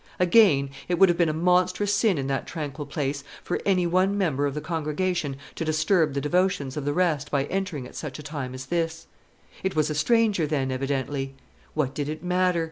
Again, it would have been a monstrous sin in that tranquil place for any one member of the congregation to disturb the devotions of the rest by entering at such a time as this. It was a stranger, then, evidently. What did it matter?